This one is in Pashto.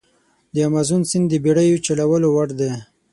د امازون سیند د بېړیو چلولو وړ دی.